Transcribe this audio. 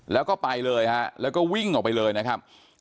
แล้วก็ไปเลยฮะแล้วก็วิ่งออกไปเลยนะครับ